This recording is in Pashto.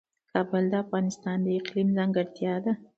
کابل د افغانستان د اقلیم ځانګړتیا ده.